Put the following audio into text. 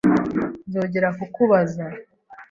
Nzongera kukubaza.